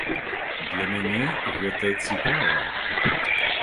Для мяне гэта цікава.